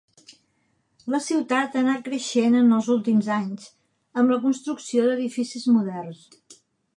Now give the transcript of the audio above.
La ciutat ha anat creixent en els últims anys, amb la construcció d'edificis moderns.